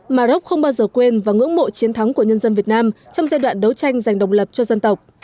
mà rốc không bao giờ quên và ngưỡng mộ chiến thắng của nhân dân việt nam trong giai đoạn đấu tranh dành độc lập cho dân tộc